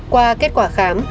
qua kết quả khám